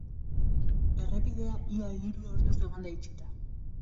Errepidea ia hiru orduz egon da itxita.